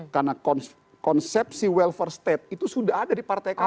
karena konsep si welfare state itu sudah ada di partai kami